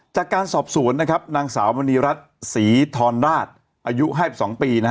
จากการสอบสวนนางสาวมณีรัฐศรีทรรณราชอายุ๒๒ปี